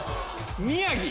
宮城。